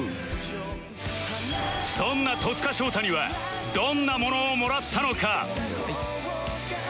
そんな戸塚祥太にはどんな物をもらったのか？